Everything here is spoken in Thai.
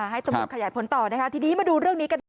ให้ตำรวจขยายผลต่อนะคะทีนี้มาดูเรื่องนี้กันหน่อย